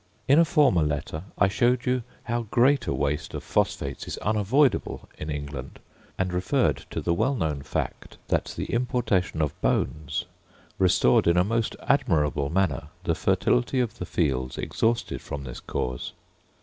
In a former letter I showed you how great a waste of phosphates is unavoidable in England, and referred to the well known fact that the importation of bones restored in a most admirable manner the fertility of the fields exhausted from this cause.